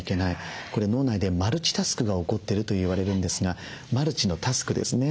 これ脳内でマルチタスクが起こってるといわれるんですがマルチのタスクですね。